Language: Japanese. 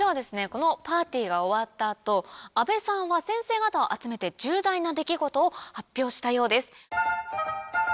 このパーティーが終わった後阿部さんは先生方を集めて重大な出来事を発表したようです。